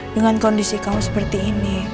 dengan kondisi kamu seperti ini